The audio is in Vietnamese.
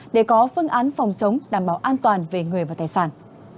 để có phương án phòng chống đảm bảo an toàn về người và tài sản